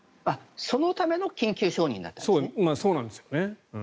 そのための緊急承認なんですね。